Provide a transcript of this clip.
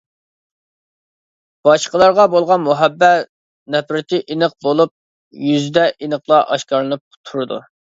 باشقىلارغا بولغان مۇھەببەت-نەپرىتى ئېنىق بولۇپ يۈزىدە ئېنىقلا ئاشكارىلىنىپ تۇرىدۇ.